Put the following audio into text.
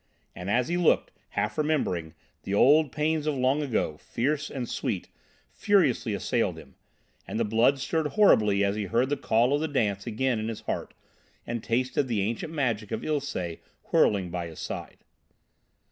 And, as he looked, half remembering, the old pains of long ago, fierce and sweet, furiously assailed him, and the blood stirred horribly as he heard the Call of the Dance again in his heart and tasted the ancient magic of Ilsé whirling by his side.